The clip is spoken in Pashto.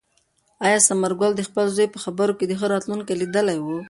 آیا ثمرګل د خپل زوی په خبرو کې د هغه راتلونکی لیدلی و؟